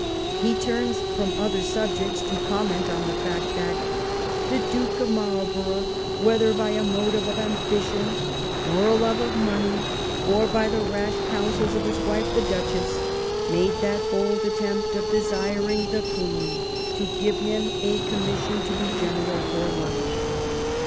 He turns from other sub jects to comment on the fact that " the Duke of Marl borough, whether by a motive of ambition, or a love of money, or by the rash counsels of his wife the Duch ess, made that bold attempt of desiring the Queen to give him a commission to be general for life.